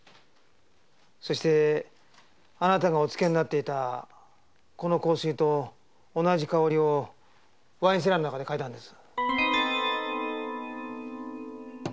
そしてあなたがおつけになっていたこの香水と同じ香りをワインセラーの中で嗅いだんです。